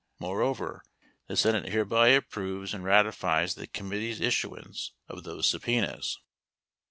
Moreover, the Senate 5 hereby approves and ratifies the committee's issuance of 6 these subpenas.